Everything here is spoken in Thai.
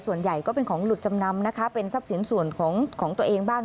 ส่วนใหญ่ก็เป็นของหลุดจำนำนะคะเป็นทรัพย์สินส่วนของตัวเองบ้าง